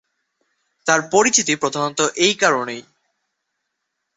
তাঁর পরিচিতি প্রধানত এই কারণেই।